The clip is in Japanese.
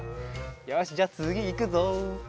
よしじゃあつぎいくぞ。